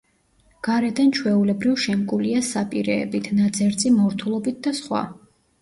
გარედან ჩვეულებრივ, შემკულია საპირეებით, ნაძერწი მორთულობით და სხვა.